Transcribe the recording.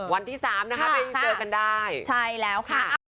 วันที่๓นะครับยิ่งเจอกันได้ใช่แล้วค่ะ